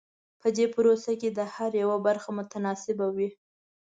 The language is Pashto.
په دې پروسه کې د هر یوه برخه متناسبه وي.